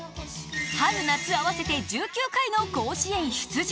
春・夏合わせて１９回の甲子園出場。